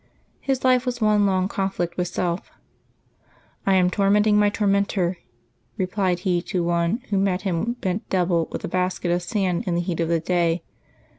His life was one long conflict with self. " I am tormenting my tormentor," re plied he to one who met him bent double with a basket of sand in the heat of the day.